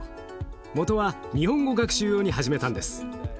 もとは日本語学習用に始めたんです。